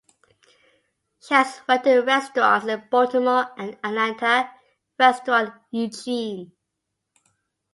She has worked in restaurants in Baltimore and Atlanta (Restaurant Eugene).